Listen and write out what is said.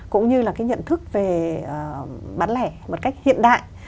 cũng như là cái nhận thức về bán lẻ một cách hiện đại